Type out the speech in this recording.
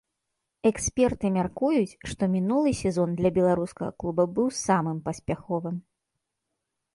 Эксперты мяркуюць, што мінулы сезон для беларускага клуба быў самым паспяховым.